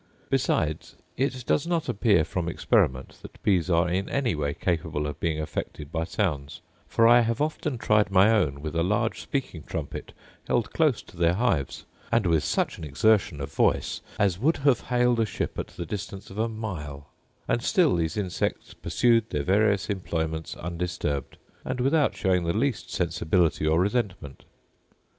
Besides, it does not appear from experiment that bees are in any way capable of being affected by sounds: for I have often tried my own with a large speaking trumpet held close to their hives, and with such an exertion of voice as would have hailed a ship at the distance of a mile, and still these insects pursued their various employments undisturbed, and without showing the least sensibility or resentment.